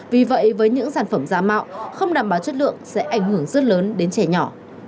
vì vậy với những sản phẩm giả mạo không đảm bảo chất lượng sẽ ảnh hưởng rất lớn đến trẻ nhỏ